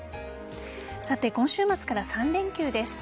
さて今週末から３連休です。